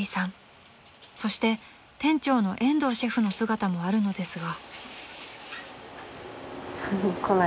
［そして店長の延藤シェフの姿もあるのですが］